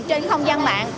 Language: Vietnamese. trên không gian mạng